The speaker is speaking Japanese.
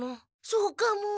そうかも。